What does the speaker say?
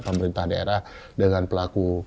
pemerintah daerah dengan pelaku